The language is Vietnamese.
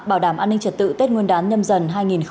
bảo đảm an ninh trật tự tết nguyên đán nhâm dần hai nghìn hai mươi